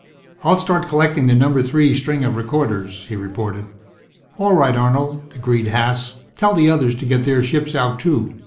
"I'll start collecting the Number Three string of recorders," he reported. "All right, Arnold," agreed Haas. "Tell the others to get their ships out too.